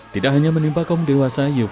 tidak hanya menimpa kaum dewasa